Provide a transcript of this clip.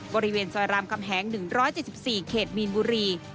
บริเวณซอยรามคำแหง๑๗๔เขตมีนบุรี